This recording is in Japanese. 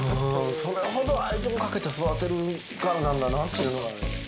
それほど愛情かけて育てるからなんだなというのがね。